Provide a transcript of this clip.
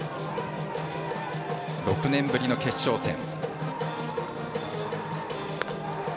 ６年ぶりの決勝戦。